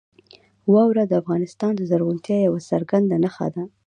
واوره د افغانستان د زرغونتیا یوه څرګنده نښه ده.